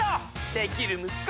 できる息子！